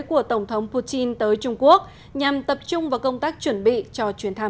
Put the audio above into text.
của tổng thống putin tới trung quốc nhằm tập trung vào công tác chuẩn bị cho chuyến thăm